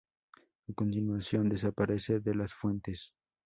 A continuación desaparece de las fuentes.